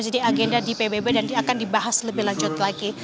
agenda di pbb dan akan dibahas lebih lanjut lagi